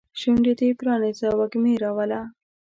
شونډې دې پرانیزه وږمې راوله